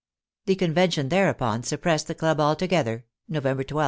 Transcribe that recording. The Convention thereupon suppressed the club altogether (November 12).